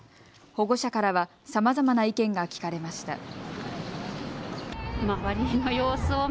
保護者からは、さまざまな意見が聞かれました。